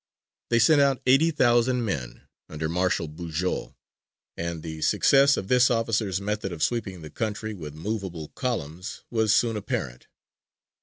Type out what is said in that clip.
They sent out eighty thousand men under Marshal Bugeaud, and the success of this officer's method of sweeping the country with movable columns was soon apparent.